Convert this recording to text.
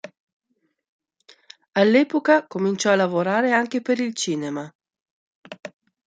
All'epoca, cominciò a lavorare anche per il cinema.